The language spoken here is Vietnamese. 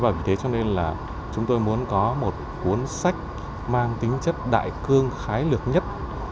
và vì thế cho nên là chúng tôi muốn có một cuốn sách mang tính chất đại cương khái lược nhất